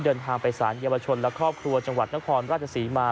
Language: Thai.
เดินทางไปสารเยาวชนและครอบครัวจังหวัดนครราชศรีมา